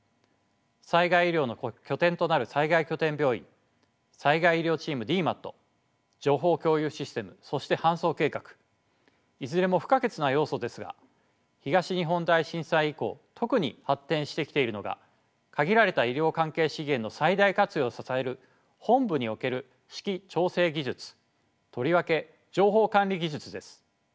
災害医療の拠点となる災害拠点病院災害医療チームＤＭＡＴ情報共有システムそして搬送計画いずれも不可欠な要素ですが東日本大震災以降特に発展してきているのが限られた医療関係資源の最大活用を支える本部における指揮調整技術とりわけ情報管理技術です。